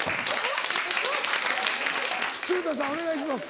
鶴田さんお願いします。